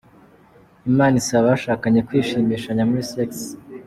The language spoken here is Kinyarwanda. Imana isaba abashakanye kwishimisha muli sex.